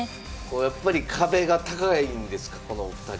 やっぱり壁が高いんですかこのお二人。